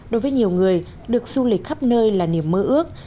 đối với nhiều người được du lịch khắp nơi là niềm mơ ước